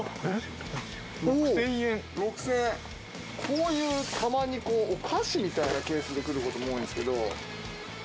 こういうたまにお菓子みたいなケースで来る事も多いんですけど。